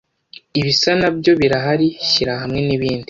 Ibisa nabyo birahari shyira hamwe nibindi